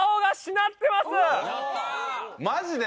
マジで？